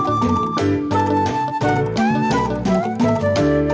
tasik semarang semarang cerebon